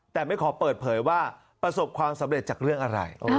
แต่ไม่ขอเปิดเผยว่าประสบความสำเร็จจากเรื่องอะไร